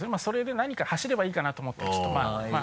それで何か走ればいいかな？と思ってちょっとまぁ。